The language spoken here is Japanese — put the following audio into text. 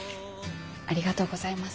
ありがとうございます。